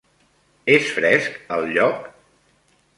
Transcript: És fresc, el lloc?